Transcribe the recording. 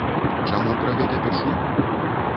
Чаму пра гэта пішу?